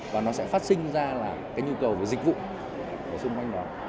và nó sẽ phát sinh ra là cái nhu cầu về dịch vụ của xung quanh đó